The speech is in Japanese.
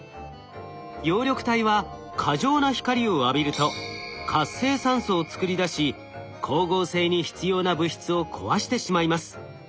葉緑体は過剰な光を浴びると活性酸素を作り出し光合成に必要な物質を壊してしまいます。